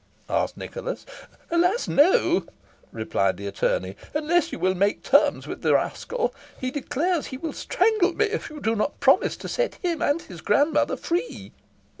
asked Nicholas. "Alas, no!" replied the attorney, "unless you will make terms with the rascal. He declares he will strangle me, if you do not promise to set him and his grandmother free."